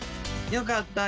よかった。